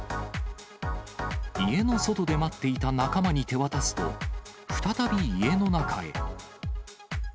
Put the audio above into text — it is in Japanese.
家の外で待っていた仲間に手渡すと、再び家の中へ。